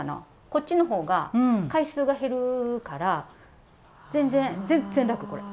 こっちの方が回数が減るから全然全然楽これ。